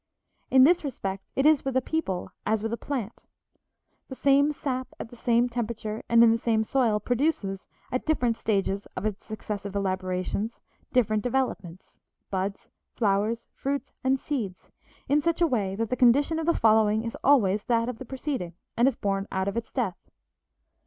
In this respect, it is with a people as with a plant; the same sap at the same temperature and in the same soil produces, at different stages of its successive elaborations, different developments, buds, flowers, fruits, and seeds, in such a way that the condition of the following is always that of the preceding and is born of its death.